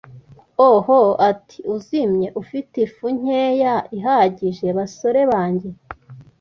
“Oho!” ati: “Uzimye! Ufite ifu nkeya ihagije, basore banjye. ”